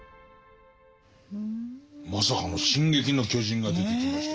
まさかの「進撃の巨人」が出てきましたけど。